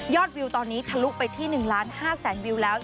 ยอดวิวตอนนี้ทะลุไปที่๑๕๐๐๐๐๐วิวแล้ว